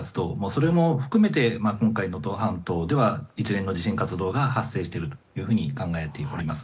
それも含めて今回、能登半島では一連の地震活動が発生していると考えております。